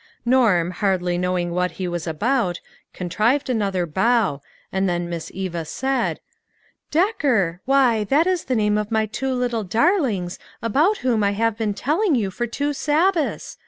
Norm, hardly knowing what he was about, contrived another bow, and then Miss Eva said, " Decker, why, that is the name of my two little darlings about whom I have been telling you for two Sabbaths.